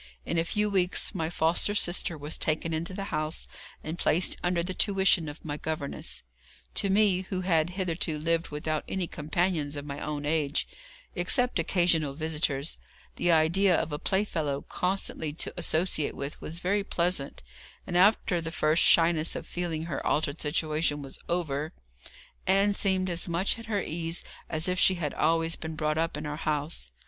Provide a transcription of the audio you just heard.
In a few weeks my foster sister was taken into the house, and placed under the tuition of my governess. To me, who had hitherto lived without any companions of my own age, except occasional visitors, the idea of a play fellow constantly to associate with was very pleasant, and, after the first shyness of feeling her altered situation was over, Ann seemed as much at her ease as if she had always been brought up in our house.